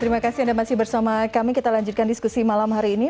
terima kasih anda masih bersama kami kita lanjutkan diskusi malam hari ini